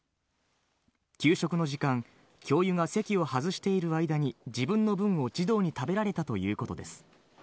給食の時間、教諭が席を外している間に自分の分を児童に食べられたということです。